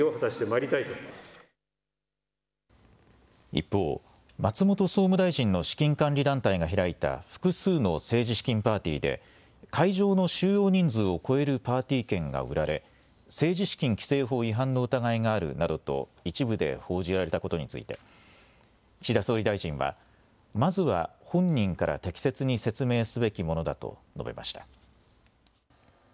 一方、松本総務大臣の資金管理団体が開いた複数の政治資金パーティーで会場の収容人数を超えるパーティー券が売られ政治資金規正法違反の疑いがあるなどと一部で報じられたことについて岸田総理大臣はまずは本人から適切に説明すべきものだと述べました。